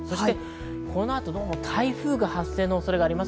このあと、どうも台風が発生の恐れがあります。